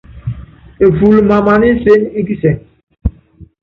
Eful mamana isény í kisɛŋ.